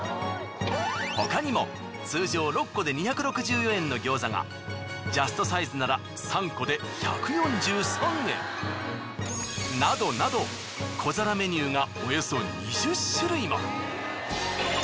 他にも通常６個で２６４円の餃子がジャストサイズなら３個で１４３円。などなど小皿メニューが。